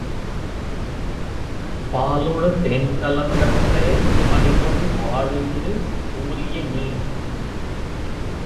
பாலொடு தேன்கலந் தற்றே பணிமொழி வாலெயிறு ஊறிய நீர்.